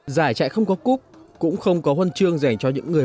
giải chạy không có cúp cũng không có huân chương dành cho những người